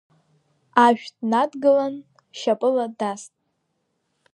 Ашә днадгылан, шьапыла даст.